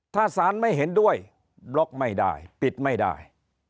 ถ้าสารไม่เห็นด้วยบล็อกไม่ได้ปิดไม่ได้